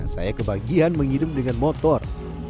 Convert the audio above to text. saya kebagian mengirim dengan motor